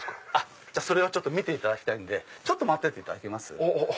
それは見ていただきたいんでちょっと待ってていただけます？